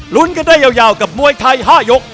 ลุ้นกันได้ยาวกับมวยไทย๕ยก